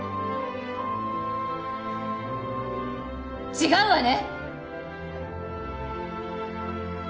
違うわね？